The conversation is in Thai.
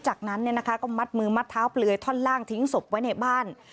จากนั้นก็มัดมือมัดเท้าเปลือยท่อนล่างทิ้งศพไว้ในบ้าน